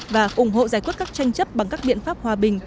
và ủng hộ giải quyết các tranh chấp bằng các biện pháp hòa bình